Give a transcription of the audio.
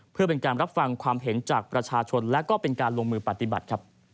เพื่อเป็นการรับฟังความเห็นจากประชาชนและก็เป็นการลงมือปฏิบัติ